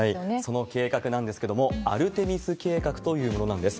その計画なんですけれども、アルテミス計画というものなんです。